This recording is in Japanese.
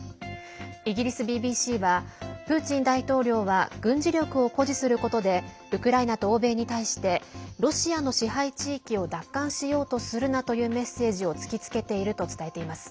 イギリスＢＢＣはプーチン大統領は軍事力を誇示することでウクライナと欧米に対してロシアの支配地域を奪還しようとするなというメッセージを突きつけていると伝えています。